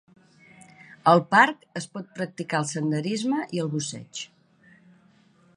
Al parc es pot practicar el senderisme i el busseig.